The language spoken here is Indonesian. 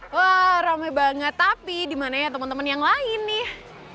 wah rame banget tapi dimana ya teman teman yang lain nih